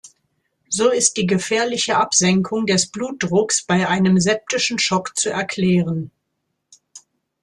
So ist die gefährliche Absenkung des Blutdrucks bei einem septischen Schock zu erklären.